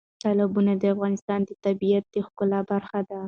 تالابونه د افغانستان د طبیعت د ښکلا برخه ده.